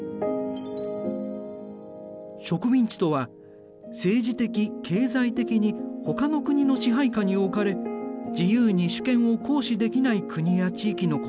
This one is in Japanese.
植民地とは政治的・経済的にほかの国の支配下に置かれ自由に主権を行使できない国や地域のこと。